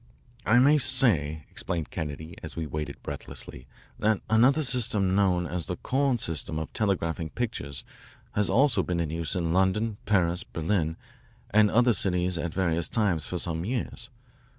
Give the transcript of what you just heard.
"I may say," explained Kennedy as we waited breathlessly, "that another system known as the Korn system of telegraphing pictures has also been in use in London, Paris, Berlin, and other cities at various times for some years.